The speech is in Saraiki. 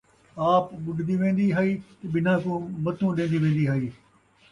آپ ٻُݙدی وین٘دی ہئی تے ٻنہاں کوں متوں ݙین٘دی وین٘دی ہئی